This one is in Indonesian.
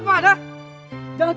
jangan curang dong